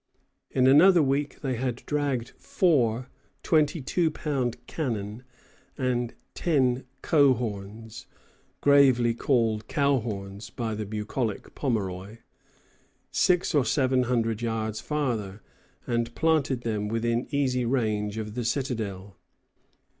In another week they had dragged four twenty two pound cannon and ten coehorns gravely called "cowhorns" by the bucolic Pomeroy six or seven hundred yards farther, and planted them within easy range of the citadel.